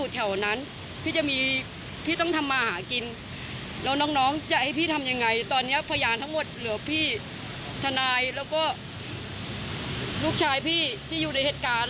ตอนนี้หัวพยานคมทั้งหมดเหลือพี่ทนายและลูกชายพี่ที่อยู่ในเหตุการณ์